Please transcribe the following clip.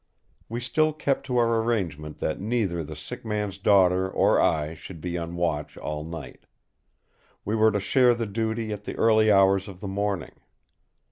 We still kept to our arrangement that either the sick man's daughter or I should be on watch all night. We were to share the duty at the early hours of the morning.